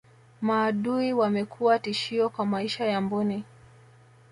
maadui wamekuwa tishio kwa maisha ya mbuni